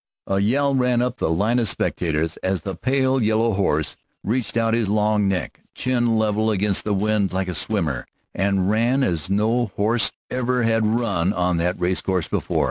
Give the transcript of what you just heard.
A yell ran up the line of spectators as the pale yellow horse reached out his long neck, chin level against the wind like a swimmer, and ran as no horse ever had run on that race course before.